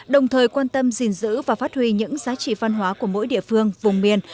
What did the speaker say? đồng thời quan tâm gìn giữ và phát huy những giá trị văn hóa của mỗi địa phương vùng miền